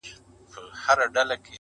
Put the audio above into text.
د بې جوړې زړه سپين دی لکه ستا اننگي